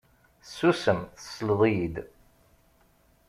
Susem tesleḍ-iyi-d.